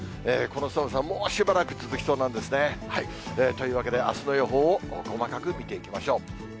この寒さ、もうしばらく続きそうなんですね。というわけで、あすの予報を細かく見ていきましょう。